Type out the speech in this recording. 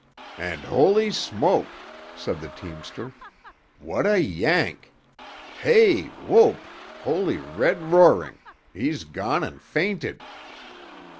"And holy smoke!" said the teamster. "What a yank! Hey! Whoap! Holy, red roaring—he's gone and fainted!"